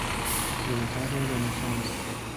جوهر رنسانس